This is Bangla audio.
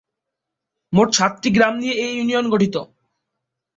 মোট সাতটি গ্রাম নিয়ে এ ইউনিয়নটি গঠিত।